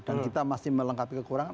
dan kita masih melengkapi kekurangan